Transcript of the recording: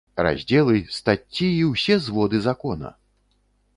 Раздзелы, стацці і ўсе зводы закона!